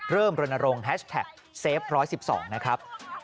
รณรงค์แฮชแท็กเซฟ๑๑๒นะครับ